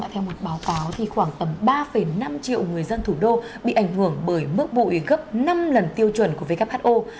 theo một báo cáo khoảng ba năm triệu người dân thủ đô bị ảnh hưởng bởi mức bụi gấp năm lần tiêu chuẩn của who